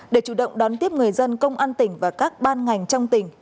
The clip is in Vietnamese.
để chủ động đón tiếp người dân công an tỉnh và các ban ngành trong tỉnh